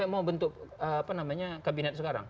mau bentuk kabinet sekarang